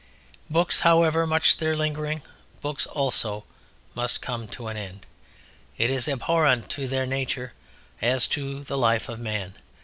Books, however much their lingering, books also must Come to an End. It is abhorrent to their nature as to the life of man.